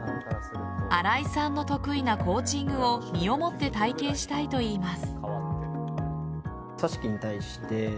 荒井さんの得意なコーチングを身をもって体験したいといいます。